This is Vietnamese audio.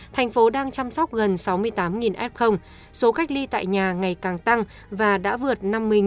thành phố đang chăm sóc gần sáu mươi tám f số cách ly tại nhà ngày càng tăng và đã vượt năm mươi